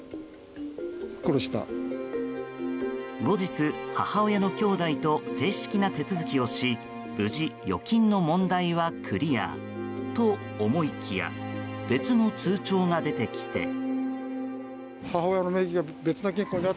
後日、母親のきょうだいと正式な手続きをし無事、預金の問題はクリア。と思いきや別の通帳が出てきて。